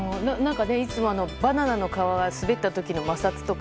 いつもバナナの皮で滑った時の摩擦とか。